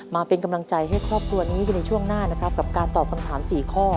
มาเป็นกำลังใจให้ครอบครัวนี้กันในช่วงหน้านะครับกับการตอบคำถาม๔ข้อ